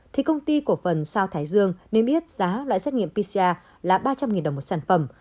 thì công ty cổ phần sao thái dương niêm yết giá loại xét nghiệm pcr là ba trăm linh đồng một sản phẩm